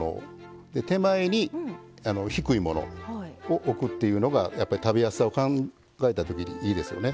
手前に低いものをおくっていうのがやっぱり食べやすさを考えた時にいいですよね。